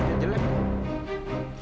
ada dia jelek